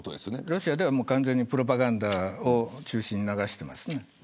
ロシアでは完全にプロパガンダを中心に流しています。